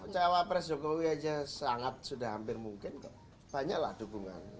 cawapres jokowi saja sangat sudah hampir mungkin banyaklah dukungan